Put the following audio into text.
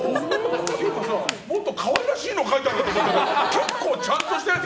もっと可愛らしいの書いてあると思ったら結構、ちゃんとしたやつ。